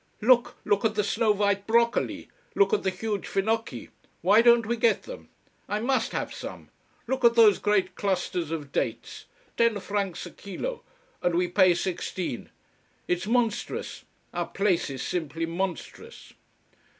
"Look! Look at the snow white broccoli. Look at the huge finocchi. Why don't we get them? I must have some. Look at those great clusters of dates ten francs a kilo, and we pay sixteen. It's monstrous. Our place is simply monstrous."